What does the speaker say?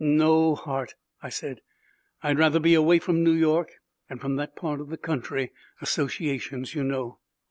"No, Hart," I said, "I'd rather be away from New York and from that part of the country. Associations, you know."